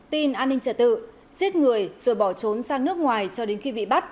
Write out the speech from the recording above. tin an ninh trả tự giết người rồi bỏ trốn sang nước ngoài cho đến khi bị bắt